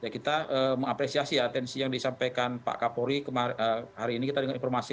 kita mengapresiasi ya atensi yang disampaikan pak kapolri hari ini kita dengan informasi